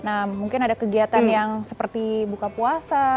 nah mungkin ada kegiatan yang seperti buka puasa